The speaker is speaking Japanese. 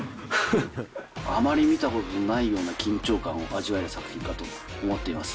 あまり見たことのないような緊張感を味わえる作品かと思っています。